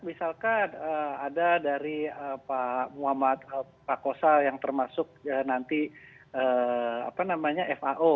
misalkan ada dari pak muhammad prakosa yang termasuk nanti fao